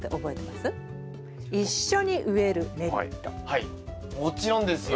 はいもちろんですよ。